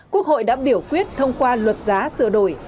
quốc hội đã biểu quyết thông qua luật giá sửa đổi